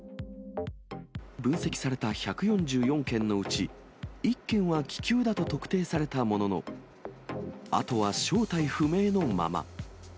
分析された１４４件のうち、１件は気球だと特定されたものの、あとは正体不明のまま。